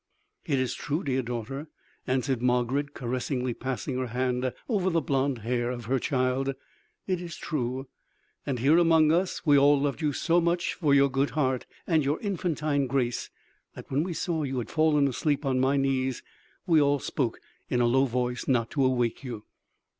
"It is true, dear daughter," answered Margarid caressingly passing her hand over the blonde hair of her child; "it is true. And here among us we all loved you so much for your good heart and your infantine grace, that when we saw you had fallen asleep on my knees, we all spoke in a low voice not to awake you."